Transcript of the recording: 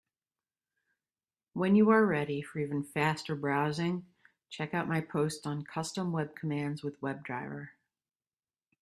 When you are ready for even faster browsing, check out my post on Custom web commands with WebDriver.